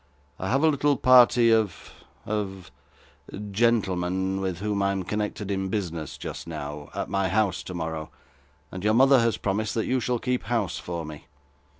I have a little party of of gentlemen with whom I am connected in business just now, at my house tomorrow; and your mother has promised that you shall keep house for me.